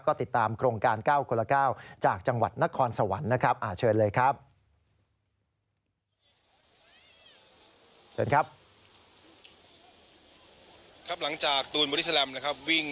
ก็ติดตามโครงการ๙คนละ๙จากจังหวัดนครสวรรค์นะครับเชิญเลยครับ